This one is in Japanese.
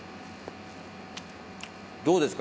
どうですか？